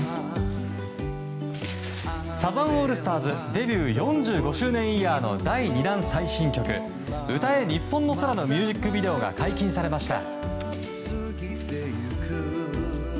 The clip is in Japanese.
デビュー４５周年イヤーの第２弾最新曲「歌えニッポンの空」のミュージックビデオが解禁されました。